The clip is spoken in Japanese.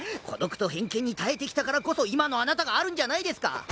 孤独と偏見に耐えてきたからこそ今のあなたがあるんじゃないですか。